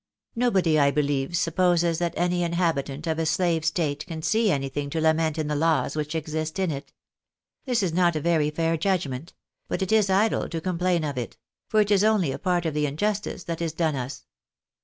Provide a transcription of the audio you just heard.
Nobody, I believe, supposes that any inhabitant of a slave State can see anything to lament in the laws which exist in it. This is not a very fair judgment — but it is idle to complain of it ; for it is only a part of the injustice that is done us.